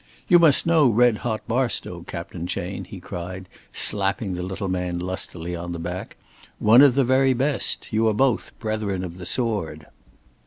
"You must know 'red hot' Barstow, Captain Chayne," he cried, slapping the little man lustily on the back. "One of the very best. You are both brethren of the sword."